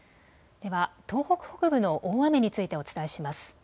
では東北北部の大雨についてお伝えします。